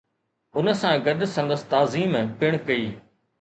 ان سان گڏ سندس تعظيم پڻ ڪئي